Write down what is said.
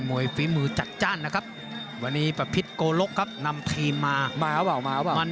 มวยภีมือจัดจ้านนะครับวันนี้ปะพิษโก้ลกครับนำทีมมา